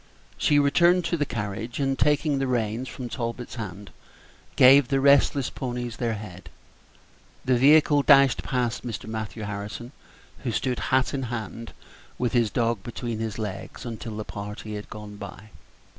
She returned to the carriage, and, taking the reins from Talbot's hand, gave the restless ponies their head; the vehicle dashed past Mr. Matthew Harrison, who stood hat in hand, with his dog between his legs, until the party had gone by.